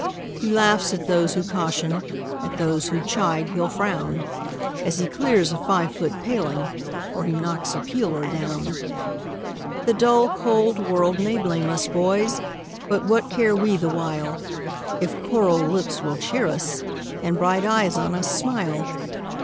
He laughs at those who caution, at those who chide he'll frown, As he clears a five foot paling, or he knocks a peeler down. The dull, cold world may blame us, boys! but what care we the while, If coral lips will cheer us, and bright eyes on us smile?